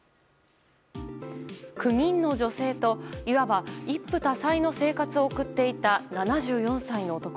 ９人の女性といわば一夫多妻の生活を送っていた７４歳の男。